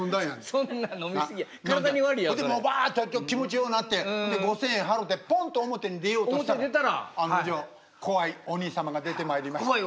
そんでバッと気持ちようなって５，０００円払てポンと表に出ようとしたら案の定怖いおにい様が出てまいりました。